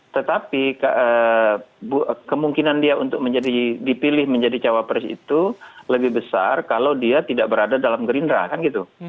tetapi kemungkinan dia untuk dipilih menjadi cawapres itu lebih besar kalau dia tidak berada dalam gerindra kan gitu